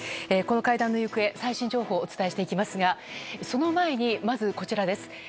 この会談の行方最新情報をお伝えしていきますがその前に、まずこちらです。